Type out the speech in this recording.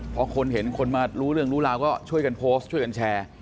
พอคนเห็นคนมารู้เรื่องรู้ราวก็ช่วยกันโพสต์ช่วยกันแชร์